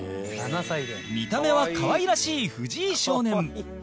見た目は可愛らしい藤井少年